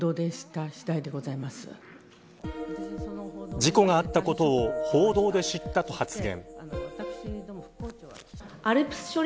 事故があったことを報道で知ったと発言。